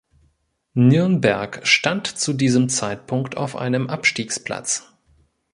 Nürnberg stand zu diesem Zeitpunkt auf einem Abstiegsplatz.